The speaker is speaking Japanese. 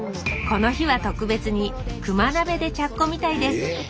この日は特別に「熊鍋」で茶っこみたいです。